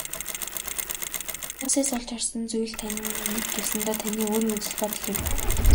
Хүмүүсээс олж харсан зүйл тань нэг ёсондоо таны өөрийн үзэл бодол юм.